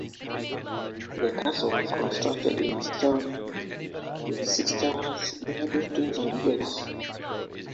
The castle was constructed in stone, with six towers, inner buildings and gates.